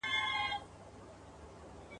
ګړی وروسته نه بادونه نه باران وو ..